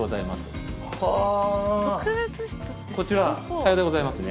さようでございますね。